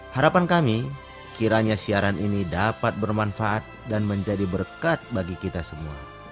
harapan kami kiranya siaran ini dapat bermanfaat dan menjadi berkat bagi kita semua